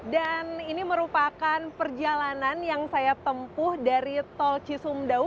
dan ini merupakan perjalanan yang saya tempuh dari tol cisumdau